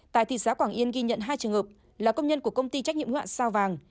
tại thị xã quảng yên ghi nhận hai trường hợp là công nhân của công ty trách nhiệm hoạn sao vàng